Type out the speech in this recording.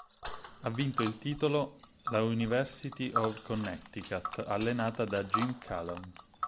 Ha vinto il titolo la University of Connecticut, allenata da Jim Calhoun.